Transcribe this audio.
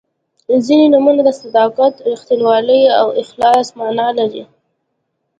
•ځینې نومونه د صداقت، رښتینولۍ او اخلاص معنا لري.